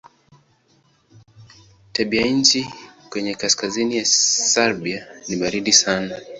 Tabianchi kwenye kaskazini ya Siberia ni baridi sana.